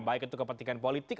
baik itu kepentingan politik